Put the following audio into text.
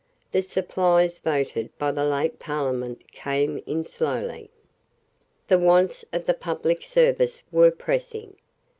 The supplies voted by the late Parliament came in slowly. The wants of the public service were pressing.